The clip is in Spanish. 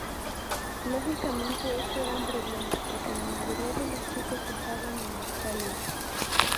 Lógicamente esto era un problema, porque la mayoría de los chicos estaban en Australia.